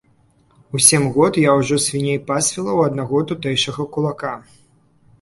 У сем год я ўжо свіней пасвіла ў аднаго тутэйшага кулака.